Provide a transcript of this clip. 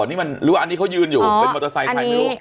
นี่มันหรือว่าอันนี้เขายืนอยู่เป็นมอเตอร์ไซค์ใครไม่รู้